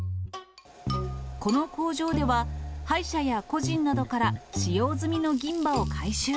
この工場では、歯医者や個人などから使用済みの銀歯を回収。